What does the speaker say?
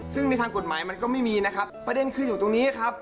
ซึ่งในทางกฎหมายมันก็ไม่มีนะครับประเด็นคืออยู่ตรงนี้ครับ